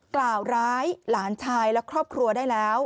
กล่าวร้ายหลานชายและครอบครัวได้แล้ว